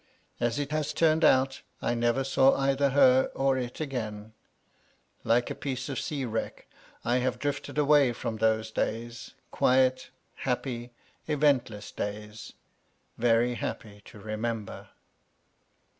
As it has turned out, I never saw either her or it agaia Like a piece of sea wreck, I have drifted away from those days: quiet, happy, eventless days, very happy to remember